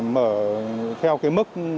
mở theo cái mức